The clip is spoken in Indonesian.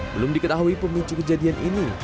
belum diketahui pemicu kejadian ini